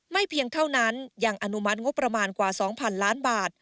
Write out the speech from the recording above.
เพียงเท่านั้นยังอนุมัติงบประมาณกว่า๒๐๐๐ล้านบาท